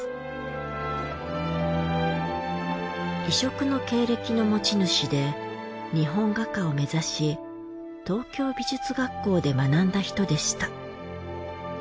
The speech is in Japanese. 異色の経歴の持ち主で日本画家を目指し東京美術学校で学んだ人でした。